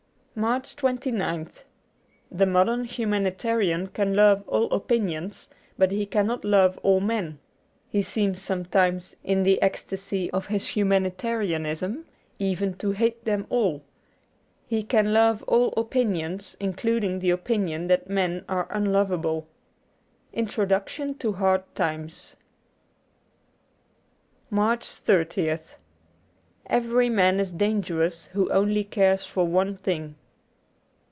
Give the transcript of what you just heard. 94 MARCH 29th THE modern humanitarian can love all opinions, but he cannot love all men ; he seems some times, in the ecstasy of his humanitarianism, even to hate them all. He can love all opinions, including the opinion that men are unlovable. Introduction to ^Hard Times.' 95 MARCH 30th EVERY man is dangerous who only cares for one thing.